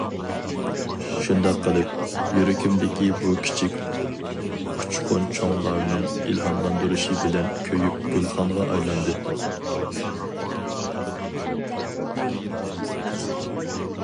شۇنداق قىلىپ، يۈرىكىمدىكى بۇ كىچىك ئۇچقۇن چوڭلارنىڭ ئىلھاملاندۇرۇشى بىلەن كۆيۈپ گۈلخانغا ئايلاندى.